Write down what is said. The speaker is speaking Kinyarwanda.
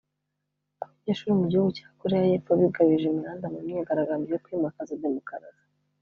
Abanyeshuri mu gihugu cya Koreya y’epfo bigabije imihanda mu myigaragambyo yo kwimakaza Demokarasi